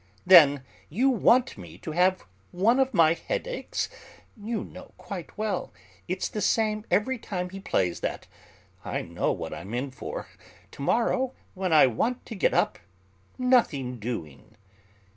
"Then you want me to have one of my headaches? You know quite well, it's the same every time he plays that. I know what I'm in for. Tomorrow, when I want to get up nothing doing!"